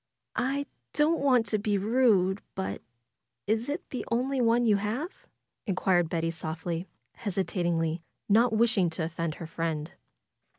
"I don't want to be rude; but is it the only one you 226 FAITH have?^' inquired Betty softly, hesitatingly, not wishing to offend her friend.